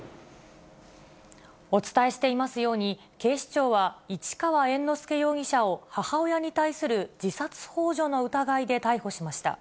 お伝えしていますように、警視庁は市川猿之助容疑者を母親に対する自殺ほう助の疑いで逮捕しました。